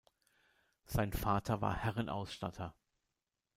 Sein Vater war Herrenausstatter.